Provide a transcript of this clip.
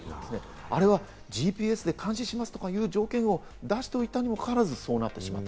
あれはＧＰＳで監視しますとかいう条件を出しておいたにもかかわらずそうなってしまった。